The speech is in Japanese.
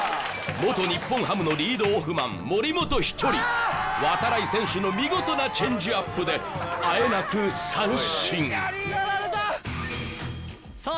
元日本ハムのリードオフマン森本稀哲渡会選手の見事なチェンジアップであえなく三振さあ